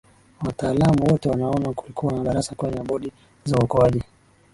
wataalam wote wanaona kulikuwa na darasa kwenye bodi za uokoaji